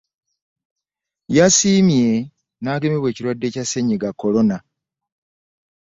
Yasiimye n'agemebwa ekirwadde kya ssennyiga Corona.